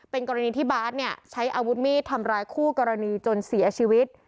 เป็นกรณีที่บาร์ดเนี่ยใช้อาวุธมีดทำร้ายคู่กรณีจนเสียชีวิต